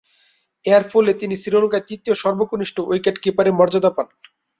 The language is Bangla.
এরফলে তিনি শ্রীলঙ্কার তৃতীয় সর্বকনিষ্ঠ উইকেট-কিপারের মর্যাদা পান।